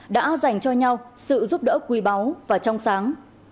đã dành cho nhau sự giúp đỡ quý báu và trong sáng